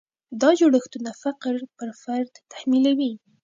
دا جوړښتونه فقر پر فرد تحمیلوي.